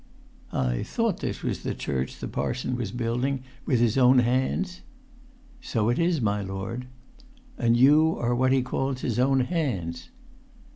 "I thought this was the church the parson was building with his own hands?" "So it is, my lord." "And you are what he calls his own hands!"